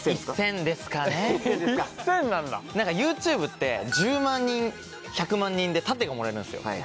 ＹｏｕＴｕｂｅって１０万人１００万人で盾がもらえるんですよ。